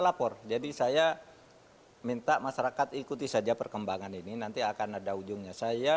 lapor jadi saya minta masyarakat ikuti saja perkembangan ini nanti akan ada ujungnya saya